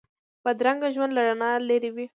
بدرنګه ژوند له رڼا لرې وي